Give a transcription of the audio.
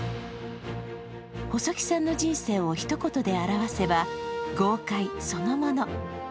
細木さんの人生をひと言で表せば豪快そのもの。